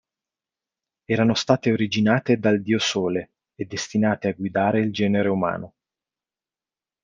Erano state originate dal dio Sole e destinate a guidare il genere umano.